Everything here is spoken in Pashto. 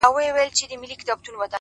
ډك د ميو جام مي د زړه ور مــات كړ!